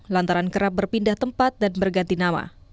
lantaran kerap berpindah tempat dan berganti nama